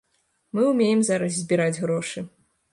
Мы ўмеем зараз збіраць грошы.